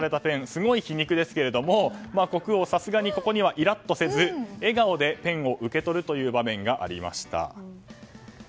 すごい皮肉ですけれども国王、さすがにここにはイラッとせず笑顔でペンを受け取る場面がありました。